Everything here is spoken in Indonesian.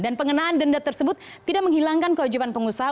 dan pengenaan denda tersebut tidak menghilangkan kewajiban pengusaha